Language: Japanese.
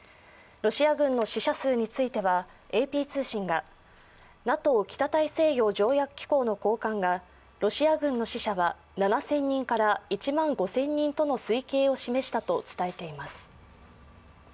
ロシア軍の死者数についてはＡＰ通信がＮＡＴＯ＝北大西洋条約機構の高官がロシア軍の死者は７０００人から１万５０００人との推計を示したと伝えています。